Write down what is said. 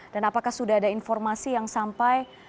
dan apakah sudah ada informasi yang sampai